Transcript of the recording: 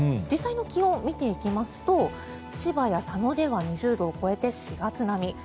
実際の気温、見ていきますと千葉や佐野では２０度を超えて４月並み。